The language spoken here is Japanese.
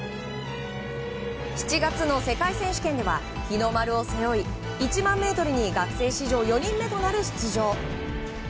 ７月の世界選手権では日の丸を背負い１００００ｍに学生史上４人目となる出場。